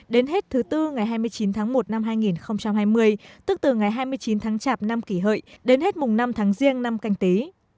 đến hết thứ bốn ngày hai mươi chín tháng một năm hai nghìn hai mươi tức từ ngày hai mươi chín tháng chạp năm kỷ hợi đến hết mùng năm tháng riêng năm canh tí